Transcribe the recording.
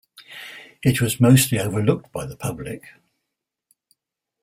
It was mostly overlooked by the public.